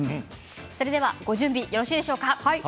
それではご準備よろしいでしょうか。